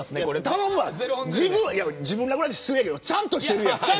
頼むわ自分らぐらいと言ったら失礼やけどちゃんとしてるやん。